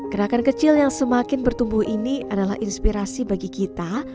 gerakan kecil yang semakin bertumbuh ini adalah inspirasi bagi kita